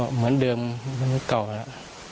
เหมือนเดิมเมื่อก่อนแล้ว